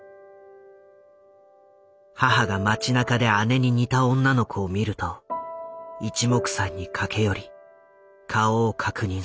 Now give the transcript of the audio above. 母が街なかで姉に似た女の子を見るといちもくさんに駆け寄り顔を確認する。